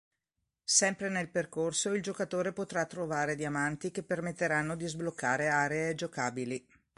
Sempre nel percorso il giocatore potrà trovare diamanti che permetteranno di sbloccare aree giocabili.